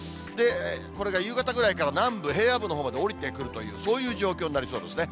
これが夕方ぐらいから南部、平野部のほうまで下りてくるという、そういう状況になりそうですね。